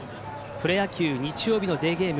プロ野球、日曜日のデーゲーム